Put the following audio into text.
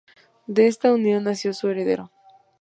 De esta unión nació su heredero.